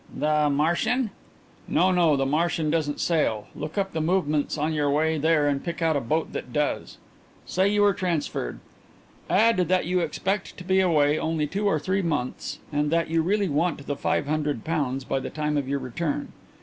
"The Martian?" "No, no; the Martian doesn't sail. Look up the movements on your way there and pick out a boat that does. Say you are transferred. Add that you expect to be away only two or three months and that you really want the five hundred pounds by the time of your return.